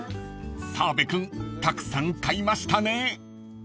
［澤部君たくさん買いましたね］